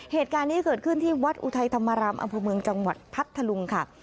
เหตุการณ์นี้เกิดขึ้นที่วัดอุทัยธรรมรามอำเภอเมืองจังหวัดพัทธลุงค่ะ